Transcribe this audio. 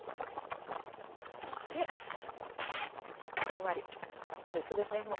そしてふんわりさっきと一緒ですね。